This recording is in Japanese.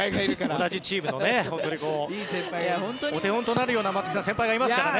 同じチームのねお手本となるような先輩がいますからね。